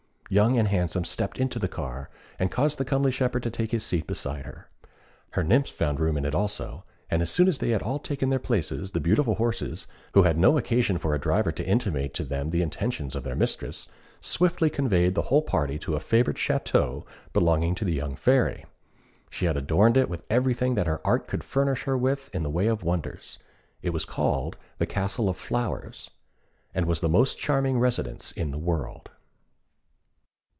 Young and Handsome stepped into the car, and caused the comely shepherd to take his seat beside her. Her nymphs found room in it also, and as soon as they had all taken their places, the beautiful horses, who had no occasion for a driver to intimate to them the intentions of their mistress, swiftly conveyed the whole party to a favourite château belonging to the young Fairy. She had adorned it with everything that her art could furnish her with in the way of wonders. It was called the Castle of Flowers, and was the most charming residence in the world.